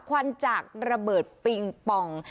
ควันจากระเบิดปิงปอง